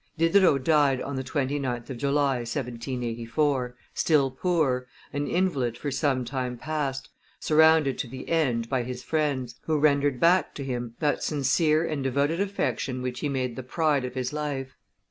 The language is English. Diderot died on the 29th of July, 1784, still poor, an invalid for some time past, surrounded to the end by his friends, who rendered back to him that sincere and devoted affection which he made the pride of his life.